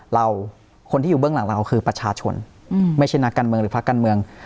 เราคนที่อยู่เบื้องหลังเราคือประชาชนไม่ใช่นักการเมืองหรือภาคการเมือง